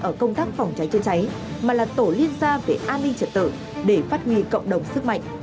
ở công tác phòng cháy chữa cháy mà là tổ liên gia về an ninh trật tự để phát huy cộng đồng sức mạnh